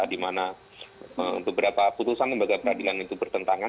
di mana beberapa putusan lembaga peradilan itu bertentangan